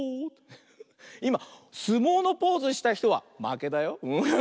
いますもうのポーズしたひとはまけだよ。